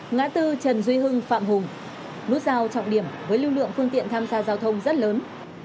ngã tư trần duy hưng phạm hùng nút giao trọng điểm với lưu lượng phương tiện tham gia giao thông rất lớn